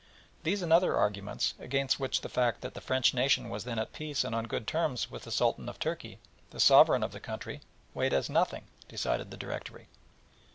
These and other arguments, against which the fact that the French nation was then at peace and on good terms with the Sultan of Turkey, the sovereign of the country, weighed as nothing, decided the Directory.